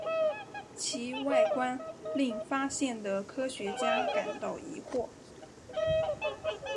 其外观令发现的科学家感到疑惑。